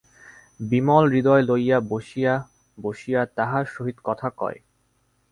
বিমল হৃদয় লইয়া বসিয়া বসিয়া তাহার সহিত কথা কয়।